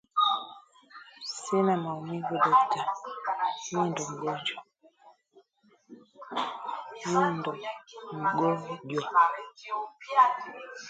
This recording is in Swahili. Sina maumivu Dokta! Mi ndo’ mgojwa